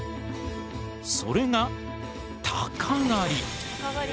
それが鷹狩り。